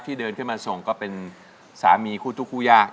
เดินขึ้นมาส่งก็เป็นสามีคู่ทุกคู่ยาก